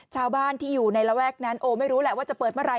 ชาวบ้านที่อยู่ในระแวกนั้นโอ้ไม่รู้แหละว่าจะเปิดเมื่อไห